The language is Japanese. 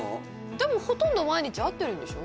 でもほとんど毎日会ってるんでしょ？